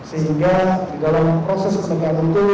sehingga di dalam prosesnya